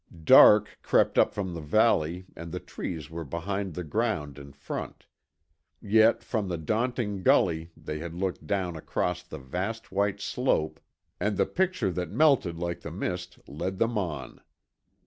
Dark crept up from the valley and the trees were behind the ground in front. Yet from the daunting gully they had looked down across the vast white slope and the picture that melted like the mist led them on.